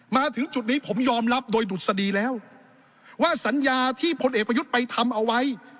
มาถึงจุดนี้ผมยอมรับโดยดุษฎีแล้วว่าสัญญาที่พลเอกประยุทธ์ไปทำเอาไว้